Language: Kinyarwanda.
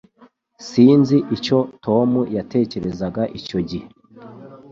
Sinzi icyo Tom yatekerezaga icyo gihe